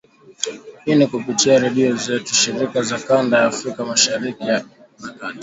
Hii ni kupitia redio zetu shirika za kanda ya Afrika Mashariki na Kati